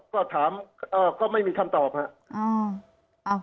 ก็ถามเอาะก็ไม่มีคำตอบ